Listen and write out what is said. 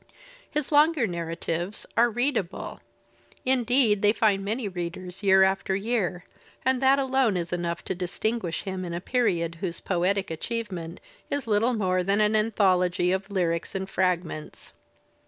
His longer narratives are readable,* indeed they find many readers year after year, and that alone is enough to distinguish him in a period whose poetic achievement is little more than an anthology of lyrics and fragments.